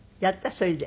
それで。